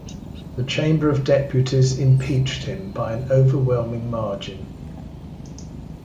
The Chamber of Deputies impeached him by an overwhelming margin.